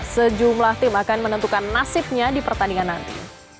sejumlah tim akan menentukan nasibnya di pertandingan nanti